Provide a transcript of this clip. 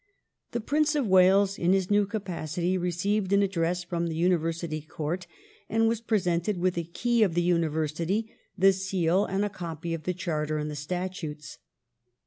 The Prince of Wales, in his new capacity, received an address from the University Court and was pre sented with a key of the university, the seal and a copy of the Charter and the statutes.